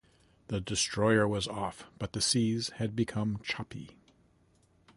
The destroyer was off, but the seas had become choppy.